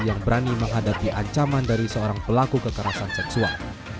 yang berani menghadapi ancaman dari seorang pelaku kekerasan seksual